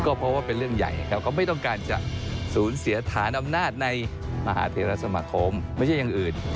ก็เพราะว่าเป็นเรื่องใหญ่ครับเขาไม่ต้องการจะสูญเสียฐานอำนาจในมหาเทรสมาคมไม่ใช่อย่างอื่น